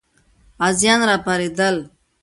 غازیان راپارېدل.